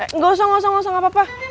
eh gak usah gak usah gak usah gapapa